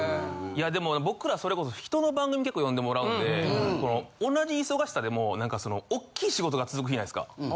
いやでも僕らそれこそ人の番組結構呼んでもらうんでこの同じ忙しさでも何かそのおっきい仕事が続くじゃないですか。